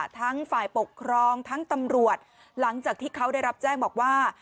ทั้งฝ่ายปกครองทั้งตำรวจหลังจากที่เขาได้รับแจ้งบอกว่า